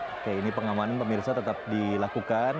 oke ini pengamanan pemirsa tetap dilakukan